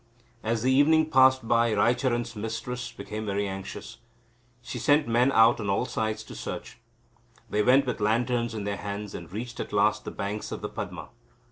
As the evening passed by Raicharan's mistress became very anxious. She sent men out on all sides to search. They went with lanterns in their hands, and reached at last the banks of the Padma.